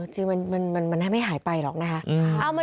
จริงมันไม่หายไปหรอกนะคะ